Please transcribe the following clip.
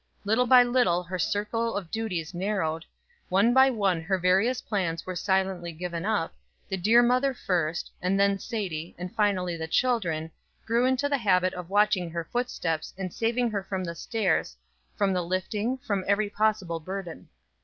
Little by little her circle of duties narrowed, one by one her various plans were silently given up, the dear mother first, and then Sadie, and finally the children, grew into the habit of watching her footsteps, and saving her from the stairs, from the lifting, from every possible burden.